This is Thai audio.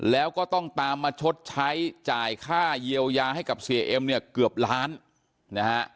แล้วก็ต้องตามมาชดใช้จ่ายค่าเยียวยาให้กับเสียเอ็มเนี่ยเกือบล้านนะฮะ